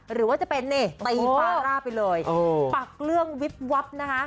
หรือว่าจะเป็นนี่ตีฟาร่าไปเลยปักเรื่องวิบวับนะคะ